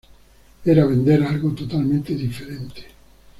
Era vender algo totalmente diferente.